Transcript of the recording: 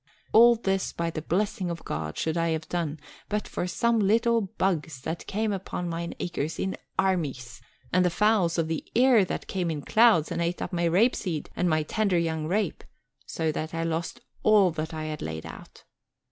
All this by the blessing of God should I have done but for some little bugs that came upon mine acres in armies, and the fowls of the air that came in clouds and ate up my rape seed and my tender young rape, so that I lost all that I laid out.